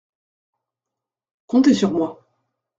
Comptez sur moi.